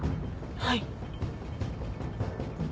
はい。